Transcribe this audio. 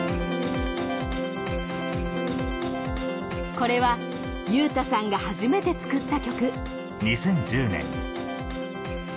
これは優太さんが初めて創った曲